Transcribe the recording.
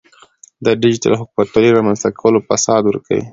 د ډیجیټل حکومتولۍ رامنځته کول فساد ورکوي.